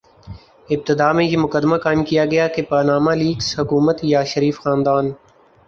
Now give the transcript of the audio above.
ابتدا میں یہ مقدمہ قائم کیا گیا کہ پاناما لیکس حکومت یا شریف خاندان